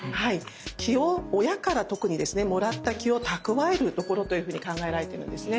気を親から特にもらった気を蓄えるところというふうに考えられているんですね。